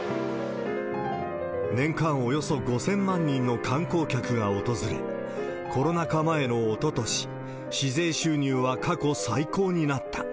年間およそ５０００万人の観光客が訪れ、コロナ禍前のおととし、市税収入は過去最高になった。